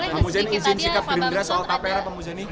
pak muzaini boleh mencetikkan tadi ya pak muzaini